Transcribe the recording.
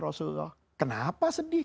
rasulullah kenapa sedih